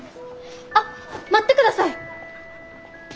あっ待ってください！